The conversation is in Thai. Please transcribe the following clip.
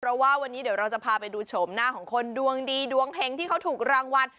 เพราะว่าวันนี้เดี๋ยวเราจะพาไปดูโฉมหน้าของคนดวงดีดวงเฮงที่เขาถูกรางวัล